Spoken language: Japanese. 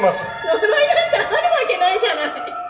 呪いなんてあるわけないじゃない！？